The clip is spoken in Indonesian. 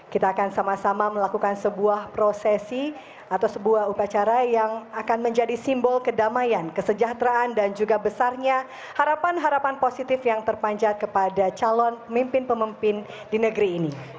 kita akan sama sama melakukan sebuah prosesi atau sebuah upacara yang akan menjadi simbol kedamaian kesejahteraan dan juga besarnya harapan harapan positif yang terpanjat kepada calon pemimpin di negeri ini